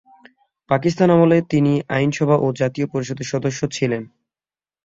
পাকিস্তান আমলে তিনি আইনসভা ও জাতীয় পরিষদের সদস্য ছিলেন।